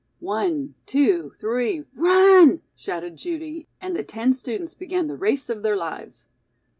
"One, two, three, run!" shouted Judy, and the ten students began the race of their lives.